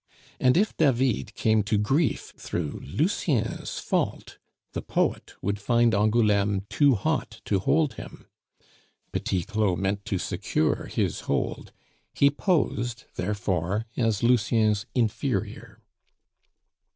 And if David came to grief through Lucien's fault, the poet would find Angouleme too hot to hold him. Petit Claud meant to secure his hold; he posed, therefore, as Lucien's inferior.